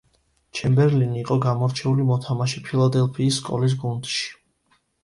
ჩემბერლენი იყო გამორჩეული მოთამაშე ფილადელფიის სკოლის გუნდში.